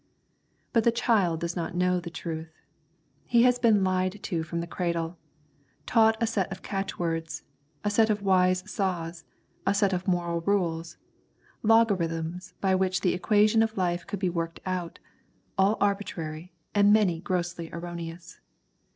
But the child does not know the truth. He has been lied to from the cradle; taught a set of catchwords, a set of wise saws, a set of moral rules, logarithms by which the equation of life could be worked out, all arbitrary, and many grossly erroneous.